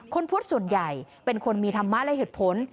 คนโพสต์ส่วนใหญ่เป็นคนมีธรรมะและเหตุผล